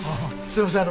すみません